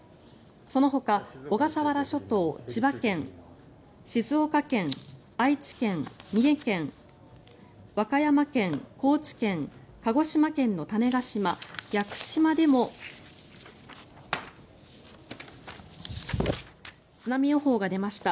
そのほか小笠原諸島、千葉県、静岡県愛知県、三重県和歌山県、高知県鹿児島県の種子島、屋久島でも津波予報が出ました。